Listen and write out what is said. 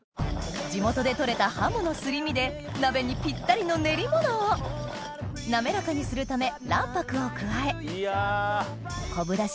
地元で取れた鱧のすり身で鍋にピッタリの練り物を滑らかにするため卵白を加え昆布出汁